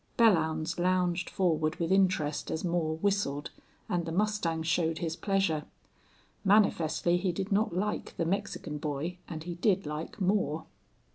Belllounds lounged forward with interest as Moore whistled, and the mustang showed his pleasure. Manifestly he did not like the Mexican boy and he did like Moore.